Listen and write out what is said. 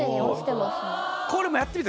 これもやってみて！